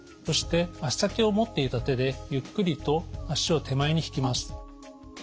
そして足先を持っていた手でゆっくりと足を手前に引きます。